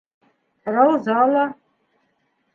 Рауза ла.